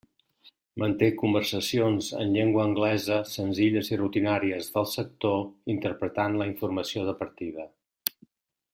Manté conversacions en llengua anglesa, senzilles i rutinàries del sector, interpretant la informació de partida.